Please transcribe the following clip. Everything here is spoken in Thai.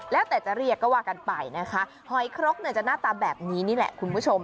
แล้วแต่จะเรียกก็ว่ากันไปนะคะหอยครกเนี่ยจะหน้าตาแบบนี้นี่แหละคุณผู้ชม